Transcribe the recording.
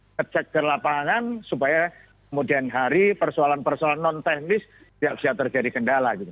ngecek ke lapangan supaya kemudian hari persoalan persoalan non teknis tidak bisa terjadi kendala gitu